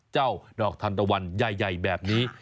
ดอกทันตะวันใหญ่แบบนี้